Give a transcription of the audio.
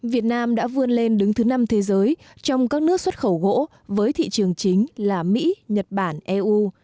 việt nam đã vươn lên đứng thứ năm thế giới trong các nước xuất khẩu gỗ với thị trường chính là mỹ nhật bản eu